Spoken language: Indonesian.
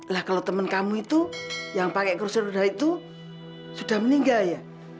lah kalau teman kamu itu yang pakai kursi roda itu sudah meninggal ya